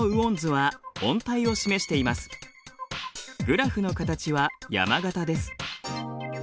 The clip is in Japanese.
グラフの形は山型です。